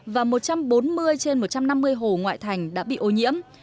và một trăm bốn mươi trên một trăm năm mươi hồ ngoại thành đã bị ô nhiễm